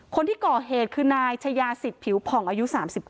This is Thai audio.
คนที่ก่อเหตุคือนายชายาศิษย์ผิวผ่องอายุ๓๙